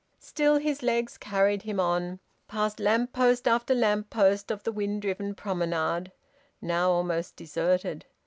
Still his legs carried him on, past lamp post after lamp post of the wind driven promenade, now almost deserted.